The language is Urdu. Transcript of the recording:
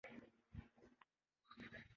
ہم جس معاشرے میں جی رہے ہیں، یہاں کوئی پیغمبر ہے۔